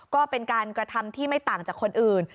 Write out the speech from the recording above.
ก็เป็นการกระทำที่ไม่ต่างจากคนอื่น